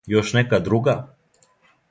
Још нека друга?